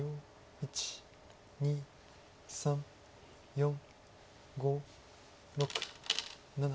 １２３４５６７。